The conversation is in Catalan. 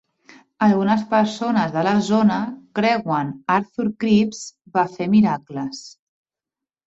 Algunes persones de la zona creuen Arthur Cripps va fer miracles.